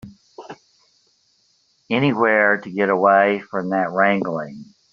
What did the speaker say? Anywhere to get away from that wrangling.